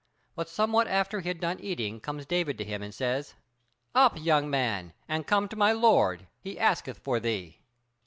But somewhat after he had done eating comes David to him and says: "Up, young man! and come to my lord, he asketh for thee."